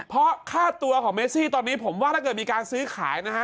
เพราะค่าตัวของเมซี่ตอนนี้ผมว่าถ้าเกิดมีการซื้อขายนะฮะ